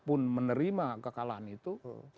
pun menerima kekalahan itu